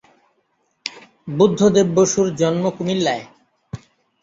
বুদ্ধদেব বসুর জন্ম কুমিল্লায়।